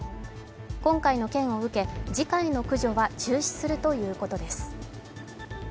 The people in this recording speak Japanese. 今回の件を受け、次回の駆除は中止するということです。